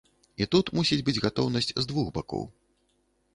І тут мусіць быць гатоўнасць з двух бакоў.